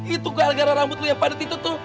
itu gue gara gara rambut lo yang padet itu tuh